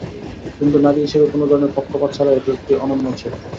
কিন্তু নারী হিসেবে কোনো ধরনের পক্ষপাত ছাড়াই এটি একটি অনন্য ছবি।